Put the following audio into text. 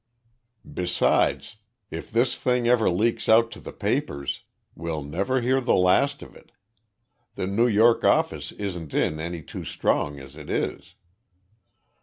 Besides, if this thing ever leaks out to the papers we'll never hear the last of it. The New York office isn't in any too strong as it is.